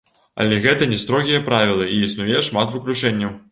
Але гэта не строгія правілы, і існуе шмат выключэнняў.